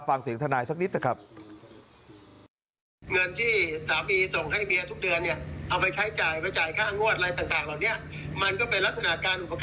ฟังเสียงทนายสักนิดนะครับ